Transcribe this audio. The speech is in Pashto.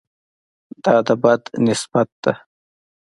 دا د بد نسبت ده.